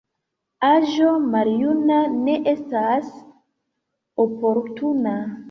Aĝo maljuna ne estas oportuna.